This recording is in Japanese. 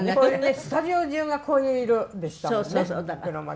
スタジオ中がこういう色でしたもんね。